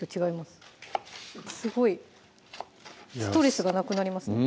すごいストレスがなくなりますね